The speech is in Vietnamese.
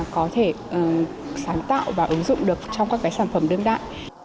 càng sáng tạo và ứng dụng được trong các sản phẩm đương đại